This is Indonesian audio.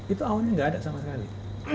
itu awalnya nggak ada sama sekali